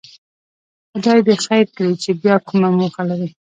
خدای دې خیر کړي چې بیا کومه موخه لري.